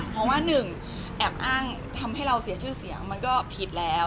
เพราะว่าหนึ่งแอบอ้างทำให้เราเสียชื่อเสียงมันก็ผิดแล้ว